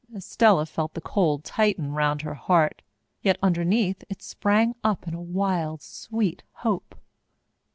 Estella felt the cold tighten round her heart. Yet underneath it sprang up a wild, sweet hope.